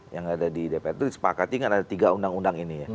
yang ada di dpr itu disepakati kan ada tiga undang undang ini ya